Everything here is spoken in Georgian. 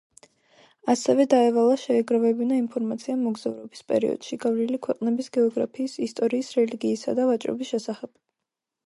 ასევე დაევალა შეეგროვებინა ინფორმაცია მოგზაურობის პერიოდში გავლილი ქვეყნების გეოგრაფიის, ისტორიის, რელიგიისა და ვაჭრობის შესახებ.